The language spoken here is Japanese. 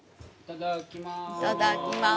いただきます。